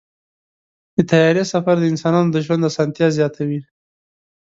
د طیارې سفر د انسانانو د ژوند اسانتیا زیاتوي.